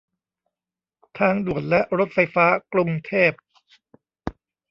ทางด่วนและรถไฟฟ้ากรุงเทพ